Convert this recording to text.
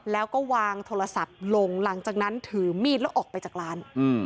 แล้วก็วางโทรศัพท์ลงหลังจากนั้นถือมีดแล้วออกไปจากร้าน